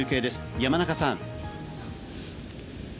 山中さん。